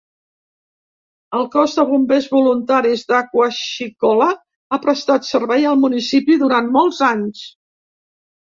El Cos de Bombers Voluntaris d'Aquashicola ha prestat servei al municipi durant molts anys.